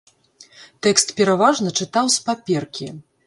Тэкст пераважна чытаў з паперкі.